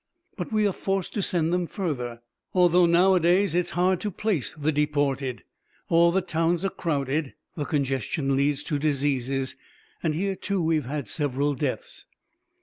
"But we are forced to send them further, although nowadays it is hard to place the deported; all the towns are crowded, the congestion leads to diseases. Here, too, we have had several deaths...."